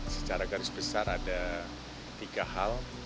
secara garis besar ada tiga hal